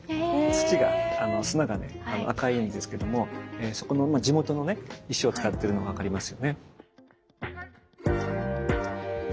土が砂がね赤いんですけども地元のね石を使ってるのが分かりますよね。